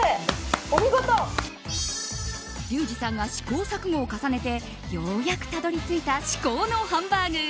リュウジさんが試行錯誤を重ねてようやくたどり着いた至高のハンバーグ。